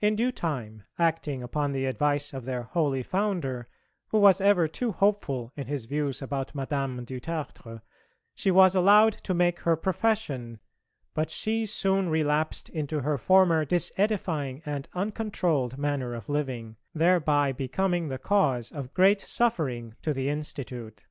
In due time, acting upon the advice of their holy Founder, who was ever too hopeful in his views about Madame du Tertre, she was allowed to make her profession, but she soon relapsed into her former disedifying and uncontrolled manner of living, thereby becoming the cause of great suffering to the Institute.